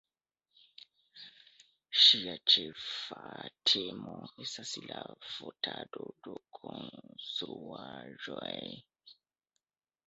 Ŝia ĉefa temo estas la fotado de konstruaĵoj.